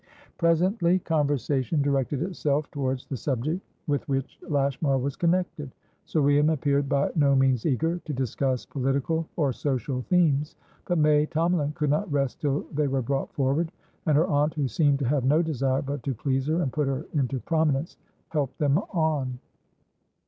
Presently conversation directed itself towards the subject with which Lashmar was connected. Sir William appeared by no means eager to discuss political or social themes, but May Tomalin could not rest till they were brought forward, and her aunt, who seemed to have no desire but to please her and put her into prominence, helped them on.